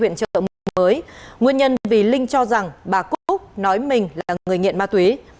linh đã bắt đầu tìm lệnh bê huyện chợ mới nguyên nhân vì linh cho rằng bà cúc nói mình là người nghiện ma túy